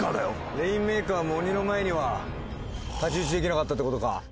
レインメーカーも鬼の前には太刀打ちできなかったということか。